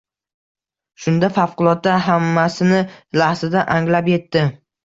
Shunda favqulodda hammasini lahzada anglab yetdi